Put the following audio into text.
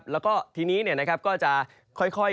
แล้วก็ทีนี้ก็จะค่อย